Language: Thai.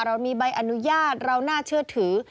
เรามีใบอนุญาตเราน่าเชื่อถือ